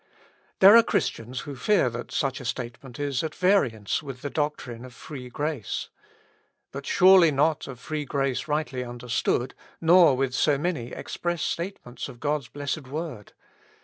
There are Christians who fear that such a statement is at variance with the doctrine of free grace. But surely not of free grace rightly understood, nor with so many express statements of God's blessed word.